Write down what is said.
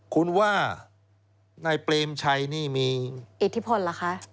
คุณว่านายเปรมชัยนี่มีอิทธิพลเหรอคะ